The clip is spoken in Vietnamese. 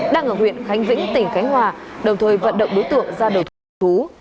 đang ở huyện khánh vĩnh tỉnh khánh hòa đồng thời vận động đối tượng ra đổi thú